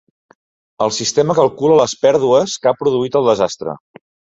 El sistema calcula les pèrdues que ha produït el desastre.